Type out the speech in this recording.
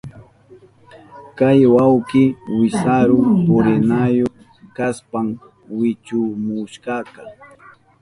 Kay wawkika wisaru purinayu kashpan wichumuwashka.